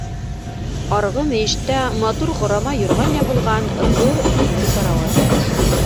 Арғы мөйөштә матур ҡорама юрған ябылған ҙур тимер карауат.